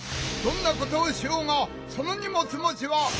どんなことをしようがその荷物もちは。